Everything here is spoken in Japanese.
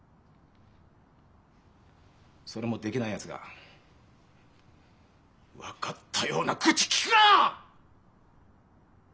それもできないやつが分かったような口きくな！